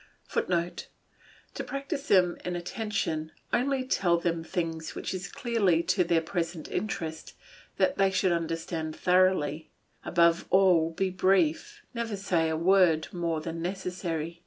[Footnote: To practise them in attention, only tell them things which it is clearly to their present interest that they should understand thoroughly; above all be brief, never say a word more than necessary.